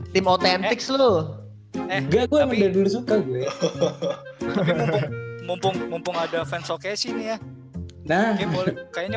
tim autentics lu enggak gue suka mumpung mumpung ada fans oke sini ya nah kayaknya